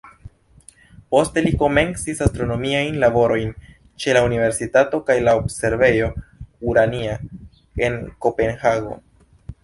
Poste li komencis astronomiajn laborojn ĉe la universitato kaj la observejo "Urania" en Kopenhago.